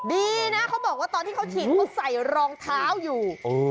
ดีนะเขาบอกว่าตอนที่เขาฉีดเขาใส่รองเท้าอยู่